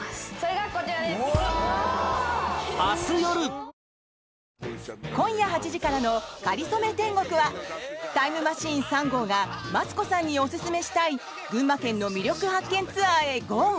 国境付近にはアメリカへの入国を目指す今夜８時からの「かりそめ天国」はタイムマシーン３号がマツコさんにオススメしたい群馬県の魅力発見ツアーへＧＯ！